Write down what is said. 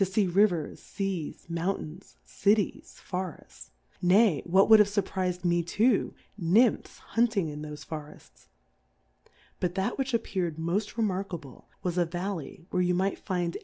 j fee Rivers^ Seas^ Mountains^ Cities^ for eft s^ nay^ what would have furp't^d me tooy Njmphs bnnting in thofe Forejls ; tut that which ajfear^amofi remarkahle^ was a FalJe)' where you might find any Tbi?